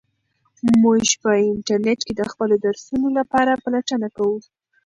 موږ په انټرنیټ کې د خپلو درسونو لپاره پلټنه کوو.